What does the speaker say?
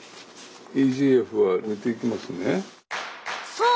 そう！